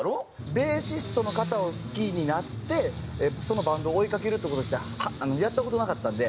ベーシストの方を好きになってそのバンドを追い掛けるって事自体やった事なかったんで。